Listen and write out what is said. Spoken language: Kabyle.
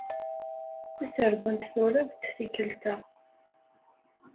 Tasardunt turew-d tikelt-a.